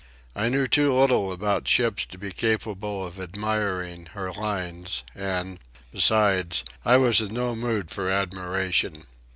I knew too little about ships to be capable of admiring her lines, and, besides, I was in no mood for admiration.